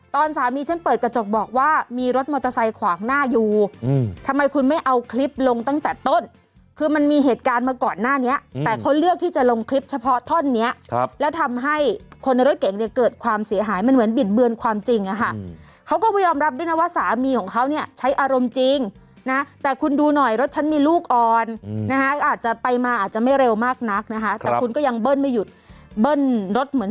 ตอนสามีฉันเปิดกระจกบอกว่ามีรถมอเตอร์ไซค์ขวางหน้าอยู่ทำไมคุณไม่เอาคลิปลงตั้งแต่ต้นคือมันมีเหตุการณ์มาก่อนหน้านี้แต่เขาเลือกที่จะลงคลิปเฉพาะท่อนนี้แล้วทำให้คนในรถเก่งเนี่ยเกิดความเสียหายมันเหมือนบิดเบือนความจริงค่ะเขาก็ไม่ยอมรับด้วยนะว่าสามีของเขาเนี่ยใช้อารมณ์จริงนะแต่คุณดูหน่อยร